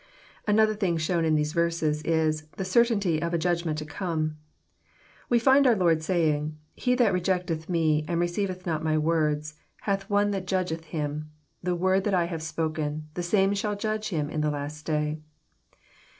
Another thing shown in these verses is, the certainty of a judgment to come. We find our Lord saying, ^^ He that rejecteth Me, and receiveth not my words, hath One that judgeth him : the word that I have spoken, the same shall Judge him in the last day."